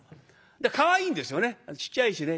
かわいいんですよねちっちゃいしね。